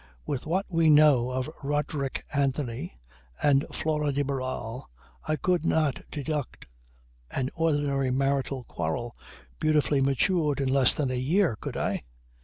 With what we know of Roderick Anthony and Flora de Barral I could not deduct an ordinary marital quarrel beautifully matured in less than a year could I?